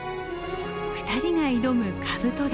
２人が挑むカブト嶽。